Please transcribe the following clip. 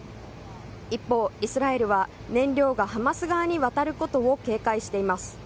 一方、イスラエルは燃料がハマス側に渡ることを警戒しています。